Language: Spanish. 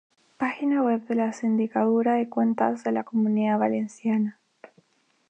Página web de la Sindicatura de cuentas de la Comunidad Valenciana